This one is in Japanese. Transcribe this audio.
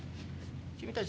君たち